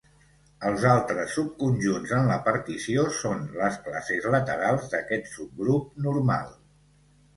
Els altres subconjunts en la partició són les classes laterals d'aquest subgrup normal.